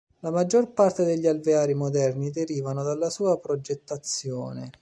La maggior parte degli alveari moderni derivano dalla sua progettazione.